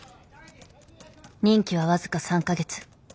任期は僅か３か月。